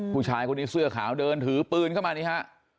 ผู้ชายคนนี้เสื้อขาวเดินถือปืนเข้ามานี่ฮะ